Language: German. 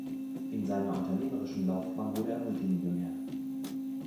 In seiner unternehmerischen Laufbahn wurde er Multimillionär.